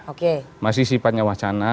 oke masih sifatnya wacana